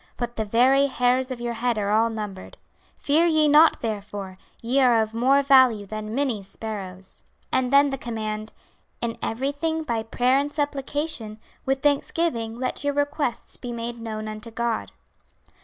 But the very hairs of your head are all numbered. Fear ye not therefore, ye are of more value than many sparrows.' And then the command: 'In everything by prayer and supplication, with thanksgiving let your requests be made known unto God.'